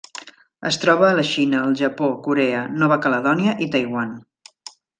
Es troba a la Xina, el Japó, Corea, Nova Caledònia i Taiwan.